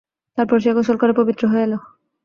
তারপর সে গোসল করে পবিত্র হয়ে এল।